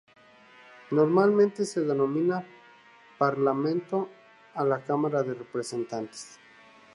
Normalmente, se denomina "Parlamento" a la Cámara de Representantes.